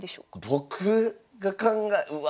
僕が考えうわ